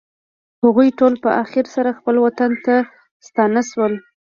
هغوی ټول په خیر سره خپل وطن ته ستانه شول.